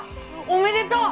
おめでとう！